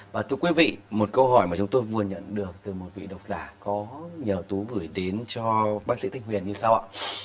và thưa quý vị một câu hỏi mà chúng tôi vừa nhận được từ một vị độc giả có nhờ tú gửi đến cho bác sĩ thanh huyền như sau ạ